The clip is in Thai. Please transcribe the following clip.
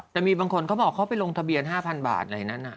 แต่มีบางคนเขาบอกเขาไปลงทะเบียน๕๐๐บาทอะไรนั้น